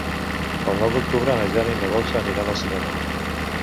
El nou d'octubre na Jana i na Dolça aniran al cinema.